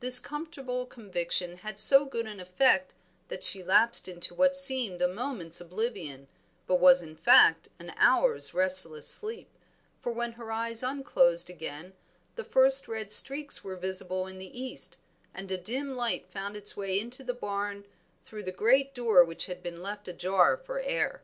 This comfortable conviction had so good an effect that she lapsed into what seemed a moment's oblivion, but was in fact an hour's restless sleep, for when her eyes unclosed again the first red streaks were visible in the east, and a dim light found its way into the barn through the great door which had been left ajar for air.